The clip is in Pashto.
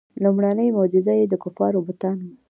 لومړنۍ معجزه یې د کفارو بتان وو.